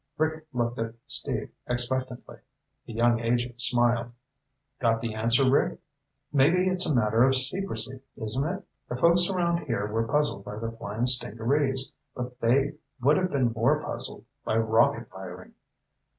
Rick looked at Steve expectantly. The young agent smiled. "Got the answer, Rick?" "Maybe. It's a matter of secrecy, isn't it? The folks around here were puzzled by the flying stingarees, but they would have been more puzzled by rocket firing.